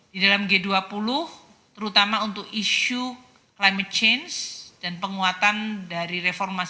di dalam g dua puluh terutama untuk isu climate change dan penguatan dari reformasi